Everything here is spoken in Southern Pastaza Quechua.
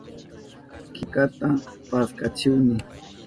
Killkata paskachihuni.